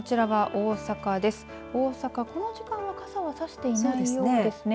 大阪、この時間は傘は差していないようですね。